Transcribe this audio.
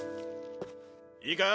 いいか？